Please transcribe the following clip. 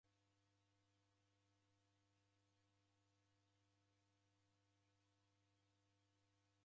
Waghosere hata oghomeka sena wandakiavua.